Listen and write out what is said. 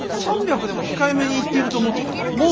３００でも控えめに言っていると思っていたのに。